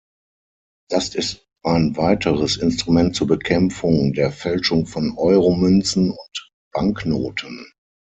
Das ist ein weiteres Instrument zur Bekämpfung der Fälschung von Euro-Münzen und -Banknoten.